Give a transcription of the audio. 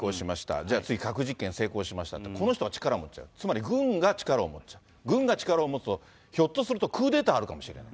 じゃあ次、核実験成功しましたって、この人が力持っちゃう、つまり軍が力を持っちゃう、軍が力を持つと、ひょっとすると、クーデター、あるかもしれない。